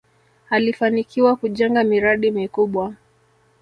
alifanikiwa kujenga miradi mikubwa